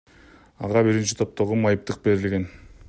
Ага биринчи топтогу майыптык берилген.